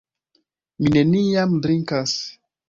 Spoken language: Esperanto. Mi neniam drinkas.